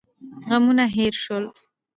غمونه هېر شول.